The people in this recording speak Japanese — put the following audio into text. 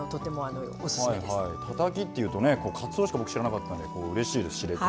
たたきっていうとねかつおしか僕知らなかったんでうれしいです知れて。